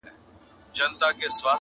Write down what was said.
څوک به پوه سي چي له چا به ګیله من یې؟،